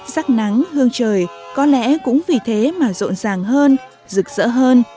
sắc nắng hương trời có lẽ cũng vì thế mà rộn ràng hơn rực rỡ hơn